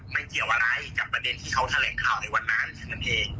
มันเกี่ยวอะไรกับประเด็นที่เขาแถลงข่าวในวันนั้นแค่นั้นเอง